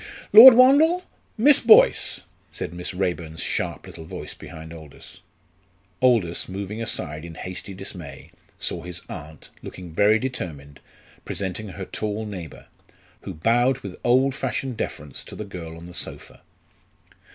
"Lord Wandle Miss Boyce!" said Miss Raeburn's sharp little voice behind Aldous. Aldous, moving aside in hasty dismay, saw his aunt, looking very determined, presenting her tall neighbour, who bowed with old fashioned deference to the girl on the sofa.